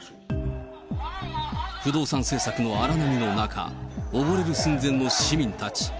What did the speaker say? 不動産政策の荒波の中、溺れる寸前の市民たち。